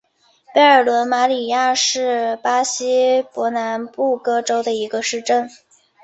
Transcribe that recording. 贝伦德马里亚是巴西伯南布哥州的一个市镇。